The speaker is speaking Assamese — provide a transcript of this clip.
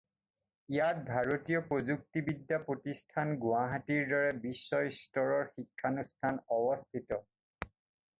ইয়াত ভাৰতীয় প্ৰযুক্তিবিদ্যা প্ৰতিষ্ঠান গুৱাহাটীৰ দৰে বিশ্বস্তৰৰ শিক্ষানুষ্ঠান অৱস্থিত।